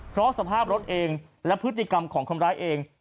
เพราะสภาพรถเองและพฤติกรรมของคนร้ายเอง